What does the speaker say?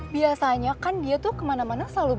biasanya kan dia tuh kemana mana selalu belok belok ya